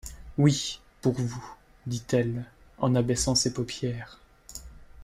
Oui, pour vous, dit-elle en abaissant ses paupières.